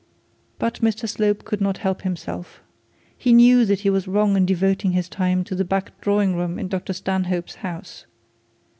But Mr Slope could not help himself. He knew that he was wrong in devoting his time to the back drawing room in Dr Stanhope's house.